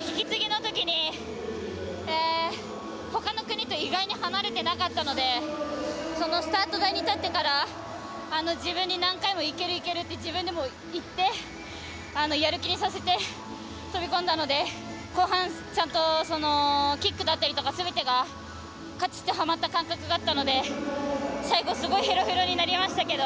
引き継ぎのときにほかの国と意外に離れてなかったのでスタート台に立ってから自分に何回もいけるいけるって自分でも言ってやる気にさせて飛び込んだので後半、ちゃんとキックだったりとかすべてがカチッとはまった感覚があったので最後、すごいへろへろになりましたけど。